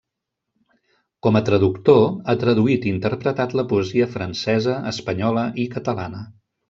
Com a traductor, ha traduït i interpretat la poesia francesa, espanyola i catalana.